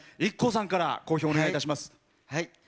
ＩＫＫＯさんから講評をお願いします。